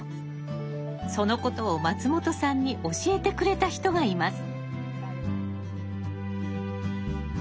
そのことを松本さんに教えてくれた人がいます。